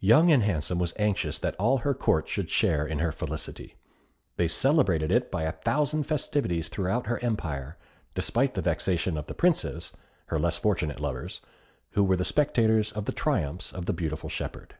Young and Handsome was anxious that all her Court should share in her felicity. They celebrated it by a thousand festivities throughout her empire, despite the vexation of the princes, her less fortunate lovers, who were the spectators of the triumphs of the beautiful shepherd.